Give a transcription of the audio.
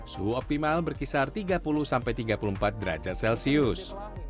suhu optimal berkisar tiga puluh sampai tiga puluh empat derajat celcius